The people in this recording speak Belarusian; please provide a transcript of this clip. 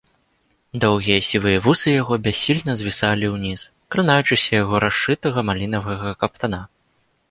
Доўгія сівыя вусы яго бяссільна звісалі ўніз, кранаючыся яго расшытага малінавага каптана.